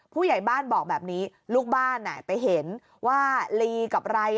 ผู้ใหญ่บ้านบอกแบบนี้ลูกบ้านไปเห็นว่าลีกับไร